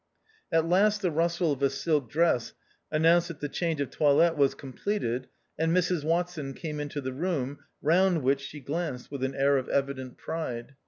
At last the rustle of a silk dress announced that the change of toilet was completed, and Mrs Watson came into the room, round which she glanced with an air of evident pride.